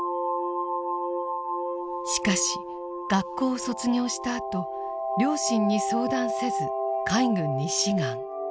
しかし学校を卒業したあと両親に相談せず海軍に志願。